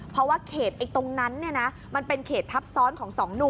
เพราะว่าเขตตรงนั้นมันเป็นเขตทับซ้อนของสองหนุ่ม